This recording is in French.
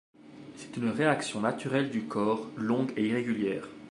C'est une réaction naturelle du corps, longue et irrégulière.